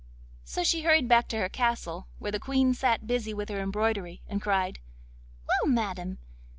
So she hurried back to her castle, where the Queen sat busy with her embroidery, and cried: 'Well, madam!